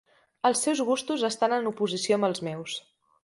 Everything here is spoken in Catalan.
Els seus gustos estan en oposició amb els meus.